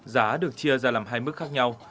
giá được chia ra làm hai mức khác nhau